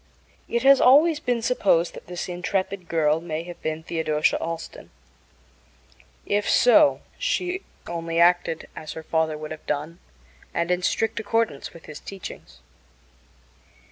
It has always been supposed that this intrepid girl may have been Theodosia Allston. If so, she only acted as her father would have done and in strict accordance with his teachings.